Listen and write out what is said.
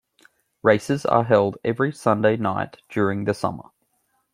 Races are held every Sunday night during the summer.